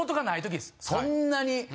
そんなに。